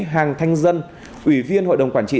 hàng thanh dân ủy viên hội đồng quản trị